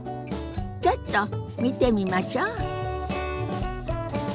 ちょっと見てみましょ。